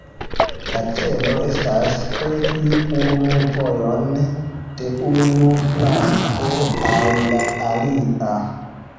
La celo estas krei unu vojon de unu flanko al la alia.